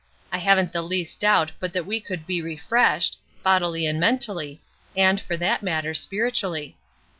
I haven't the least doubt but that we would be refreshed, bodily and mentally, and, for that matter, spiritually.